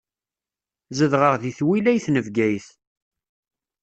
Zedɣeɣ deg twilayt n Bgayet.